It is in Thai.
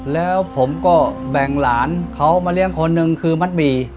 แล้วผมก็แบ่งหลานเขามาเลี้ยงคนหนึ่งคือมัดหมี่